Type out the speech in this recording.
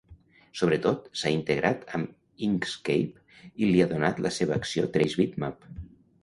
Sobre tot, s'ha integrat amb Inkscape i li ha donat la seva acció "Trace Bitmap".